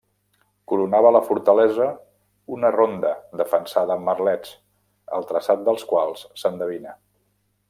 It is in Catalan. Coronava la fortalesa una ronda defensada amb merlets, el traçat dels quals s'endevina.